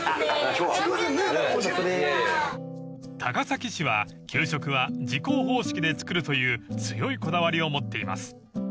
［高崎市は給食は自校方式で作るという強いこだわりを持っています］